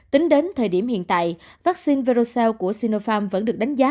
tính đến thời điểm hiện tại vaccine verosa của sinopharm vẫn được đánh giá